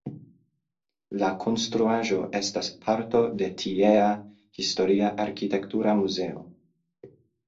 La konstruaĵo estas parto de tiea Historia Arkitektura muzeo.